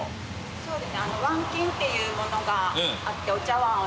そうです。